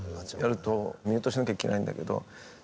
やるとミュートしなきゃいけないんだけどただ。